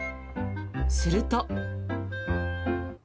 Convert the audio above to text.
すると。